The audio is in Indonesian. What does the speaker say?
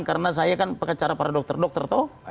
karena saya kan pekacara para dokter dokter